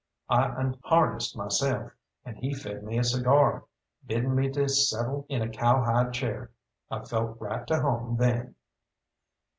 I unharnessed myself, and he fed me a cigar, bidding me to settle in a cow hide chair. I felt right to home then.